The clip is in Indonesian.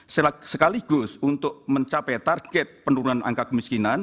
sekaligus untuk mencapai target penurunan angka kemiskinan